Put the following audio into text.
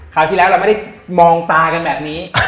ที่แล้วเราไม่ได้มองตากันแบบนี้